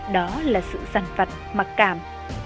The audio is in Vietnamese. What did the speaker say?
đó là sự giành phật mặc cảm